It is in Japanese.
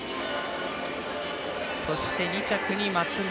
そして２着に松村。